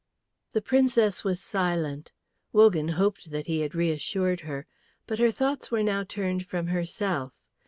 The Princess was silent. Wogan hoped that he had reassured her. But her thoughts were now turned from herself.